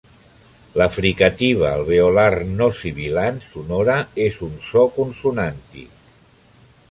La fricativa alveolar no sibilant sonora és un so consonàntic.